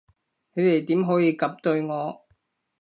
你哋點可以噉對我？